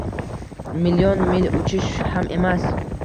Million mil uchish ham emas.